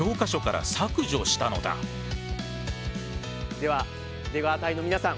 では出川隊の皆さん